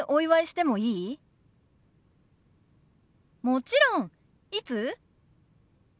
もちろん。いつ？